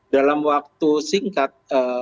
dalam waktu singkat